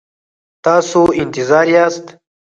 تاسو انتظار یاست؟